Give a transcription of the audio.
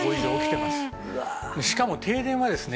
しかも停電はですね